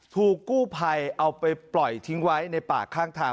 ถูกกู้ภัยเอาไปปล่อยทิ้งไว้ในป่าข้างทาง